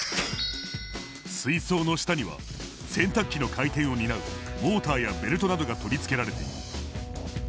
水槽の下には洗濯機の回転を担うモーターやベルトなどが取り付けられている。